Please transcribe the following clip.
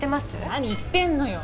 何言ってんのよ！